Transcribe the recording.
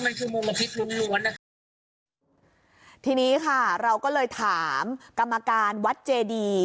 มันคือมุมพิษล้วนล้วนนะคะทีนี้ค่ะเราก็เลยถามกรรมการวัดเจดี